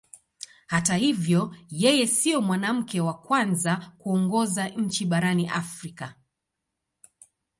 Hata hivyo yeye sio mwanamke wa kwanza kuongoza nchi barani Afrika.